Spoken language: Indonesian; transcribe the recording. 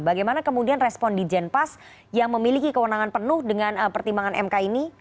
bagaimana kemudian respon di jenpas yang memiliki kewenangan penuh dengan pertimbangan mk ini